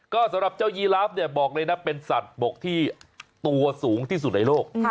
ก็สำหรับเจ้ายีลาฟเนี่ยบอกเลยนะเป็นสัตว์บกที่ตัวสูงที่สุดในโลก